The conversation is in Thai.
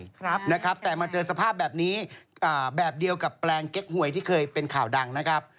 ครับนะครับแต่มาเจอสภาพแบบนี้อ่าแบบเดียวกับแปลงเก๊กหวยที่เคยเป็นข่าวดังนะครับ